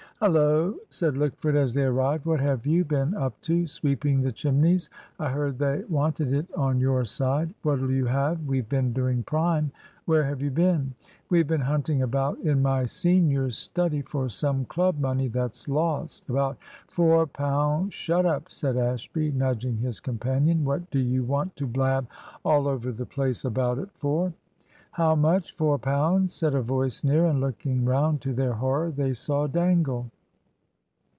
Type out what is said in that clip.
"Hullo," said Lickford, as they arrived, "what have you been up to? Sweeping the chimneys? I heard they wanted it on your side. What'll you have? We've been doing prime. Where have you been?" "We've been hunting about in my senior's study for some club money that's lost; about four pou " "Shut up!" said Ashby, nudging his companion. "What do you want to blab all over the place about it for?" "How much? four pounds?" said a voice near; and looking round, to their horror they saw Dangle.